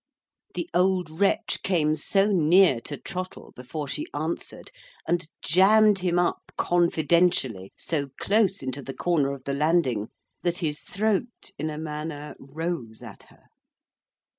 The old wretch came so near to Trottle, before she answered, and jammed him up confidentially so close into the corner of the landing, that his throat, in a manner, rose at her.